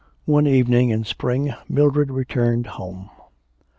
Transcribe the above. One evening in spring Mildred returned home.